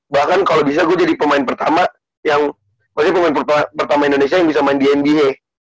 bahkan kalo bisa gua jadi pemain pertama yang maksudnya pemain pertama indonesia yang bisa main di nba